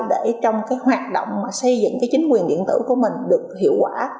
để trong cái hoạt động mà xây dựng cái chính quyền điện tử của mình được hiệu quả